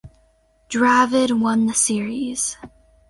Dravid won the series.